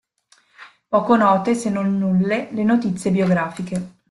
Poco note, se non nulle le notizie biografiche.